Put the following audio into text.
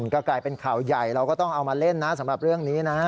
ก็กลายเป็นข่าวใหญ่เราก็ต้องเอามาเล่นนะสำหรับเรื่องนี้นะ